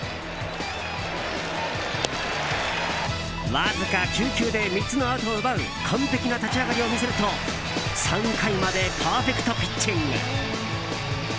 わずか９球で３つのアウトを奪う完璧な立ち上がりを見せると３回までパーフェクトピッチング。